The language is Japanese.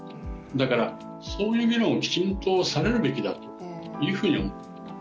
だからそういう議論をきちんとされるべきだと思う。